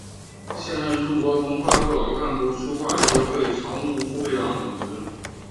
现任中国文化部老干部书画学会常务副会长等职。